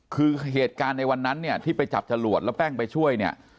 คือเหตุการณ์ในวันนั้นที่ไปจับชะลวดแล้วแป้งไปช่วย